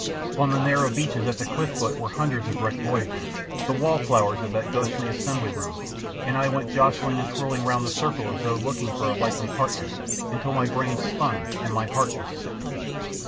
On the narrow beaches at the cliff foot were hundreds of wrecked voyagers the wall flowers of that ghostly assembly room and I went jostling and twirling round the circle as though looking for a likely partner, until my brain spun and my heart was sick.